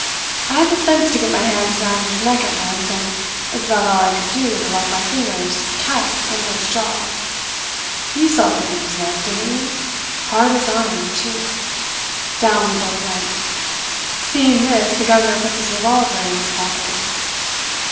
I had the sense to get my hands round his neck at once, and it's about all I could do to lock my fingers tight under his jaw. You saw the beauty's neck, didn't you? Hard as iron, too. Down we both went. Seeing this the governor puts his revolver in his pocket.